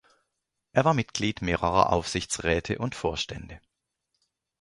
Er war Mitglied mehrerer Aufsichtsräte und Vorstände.